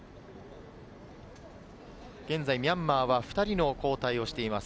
現在、ミャンマーは２人の交代をしています。